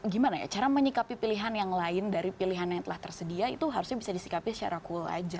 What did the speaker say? gimana ya cara menyikapi pilihan yang lain dari pilihan yang telah tersedia itu harusnya bisa disikapi secara cool aja